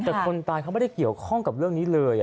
แต่คนตายเขาไม่ได้เกี่ยวข้องกับเรื่องนี้เลย